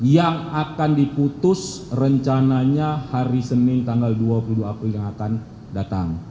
yang akan diputus rencananya hari senin tanggal dua puluh dua april yang akan datang